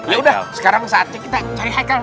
ya udah sekarang saatnya kita cari hackle